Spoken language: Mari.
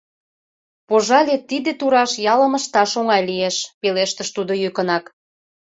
— Пожале, тиде тураш ялым ышташ оҥай лиеш, — пелештыш тудо йӱкынак.